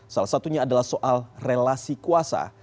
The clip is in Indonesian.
salah satunya adalah soal relasi kuasa